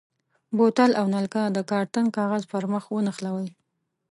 بوتل او نلکه د کارتن کاغذ پر مخ ونښلوئ.